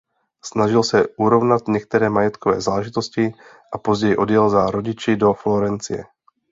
Snažil se urovnat některé majetkové záležitosti a později odjel za rodiči do Florencie.